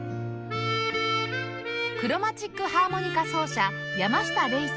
クロマチックハーモニカ奏者山下伶さん